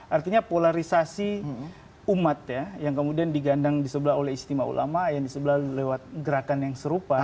artinya polarisasi umat ya yang kemudian digandang di sebelah oleh istimewa ulama yang di sebelah lewat gerakan yang serupa